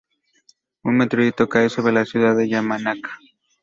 Un meteorito cae sobre la ciudad de Yamanaka.